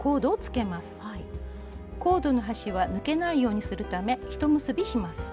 コードの端は抜けないようにするためひと結びします。